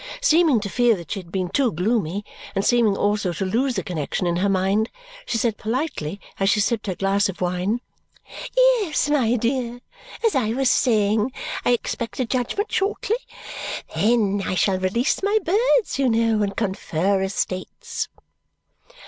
Seeming to fear that she had been too gloomy, and seeming also to lose the connexion in her mind, she said politely as she sipped her glass of wine, "Yes, my dear, as I was saying, I expect a judgment shortly. Then I shall release my birds, you know, and confer estates."